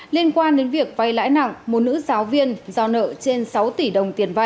liên quan đến việc vay lãi nặng một nữ giáo viên giao nợ trên sáu tỷ đồng